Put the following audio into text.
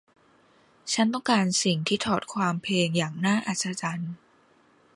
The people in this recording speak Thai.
ฉันต้องการสิ่งที่ถอดความเพลงอย่างน่าอัศจรรย์